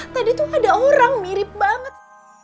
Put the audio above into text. tadi tuh ada orang mirip banget